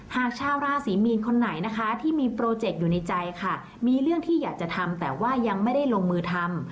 หากชาวราศีมีนคนไหนนะคะที่มีโปรเจกต์อยู่ในใจค่ะมีเรื่องที่อยากจะทำแต่ว่ายังไม่ได้ลงมือทำ